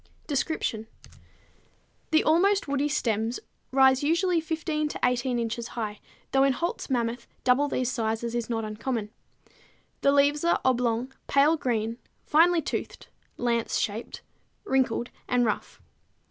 Description. The almost woody stems rise usually 15 to 18 inches high, though in Holt's Mammoth double these sizes is not uncommon. The leaves are oblong, pale green, finely toothed, lance shaped, wrinkled and rough.